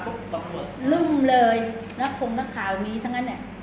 เราควรรุมเลยนักคงนักข่ามีทั้งนั้นอ่ะ